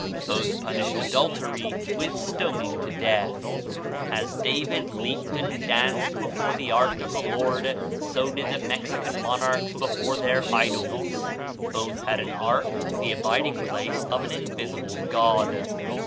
Both punished adultery with stoning to death. As David leaped and danced before the ark of the Lord, so did the Mexican monarchs before their idols. Both had an ark, the abiding place of an invisible god.